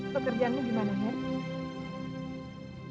pekerjaanmu gimana hen